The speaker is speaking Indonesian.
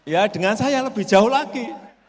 ya dengan saya lebih jauh lagi